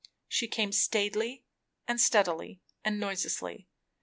She came staidly and steadily, and noiselessly.